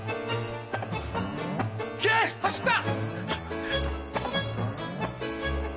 走った！